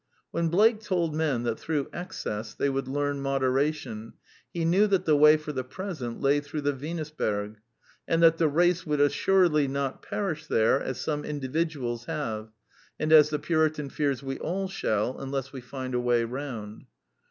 When Blake told men that through excess they would learn moderation, he knew that the way for the present lay through the Venusberg, and that the race would assuredly not perish there as some indi viduals have, and as the Puritan fears we all shall unless we find a way round.